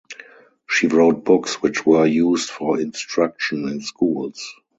She wrote books which were used for instruction in schools.